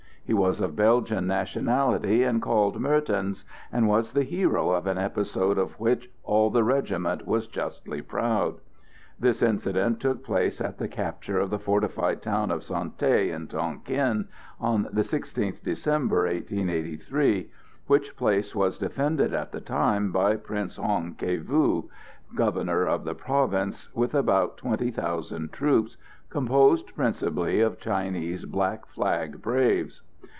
He was of Belgian nationality, and called Mertens, and was the hero of an episode of which all the regiment was justly proud. This incident took place at the capture of the fortified town of Sontay, in Tonquin, on the 16th December, 1883, which place was defended at the time by Prince Hoang Ke View, governor of the province, with about twenty thousand troops, composed principally of Chinese blackflag braves.